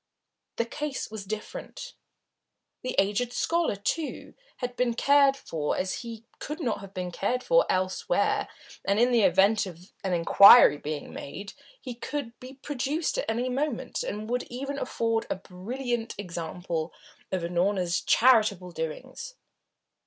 The case was different. The aged scholar, too, had been cared for as he could not have been cared for elsewhere, and, in the event of an inquiry being made, he could be produced at any moment, and would even afford a brilliant example of Unorna's charitable doings.